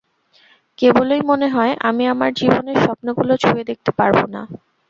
কেবলই মনে হয়, আমি আমার জীবনের স্বপ্নগুলো ছুঁয়ে দেখতে পারব না।